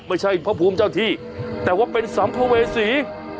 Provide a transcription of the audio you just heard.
ไม่ใช่พระภูมิเจ้าที่แต่ว่าเป็นสำภเวสี